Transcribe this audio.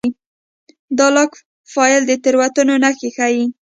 دا لاګ فایل د تېروتنو نښې ښيي.